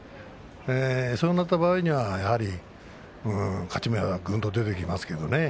そうなった場合にはやはり勝ち目はぐんと出てきますけどね。